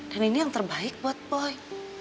dan ini yang terbaik buat boy